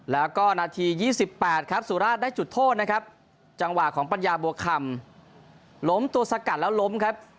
แล้วก็นาที๒๘ครับสุราชได้จุดโทษนะครับจังหวะของปัญญาบัวคำล้มตัวสกัดแล้วล้มครับ